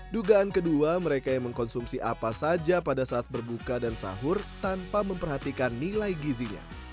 dugaan kedua mereka yang mengkonsumsi apa saja pada saat berbuka dan sahur tanpa memperhatikan nilai gizinya